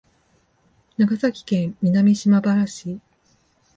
長崎県南島原市